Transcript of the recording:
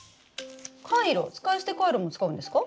使い捨てカイロも使うんですか？